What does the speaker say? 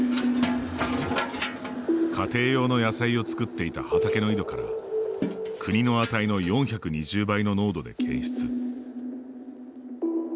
家庭用の野菜を作っていた畑の井戸から国の値の４２０倍の濃度で検出。